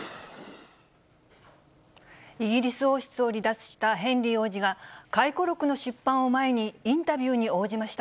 イギリス王室を離脱したヘンリー王子が、回顧録の出版を前に、インタビューに応じました。